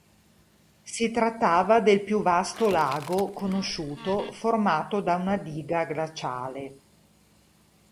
Si trattava del più vasto lago conosciuto formato da una diga glaciale.